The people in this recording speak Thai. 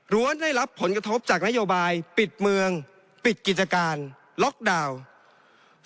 ได้รับผลกระทบจากนโยบายปิดเมืองปิดกิจการล็อกดาวน์